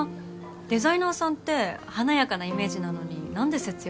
デザイナーさんって華やかなイメージなのに何で節約？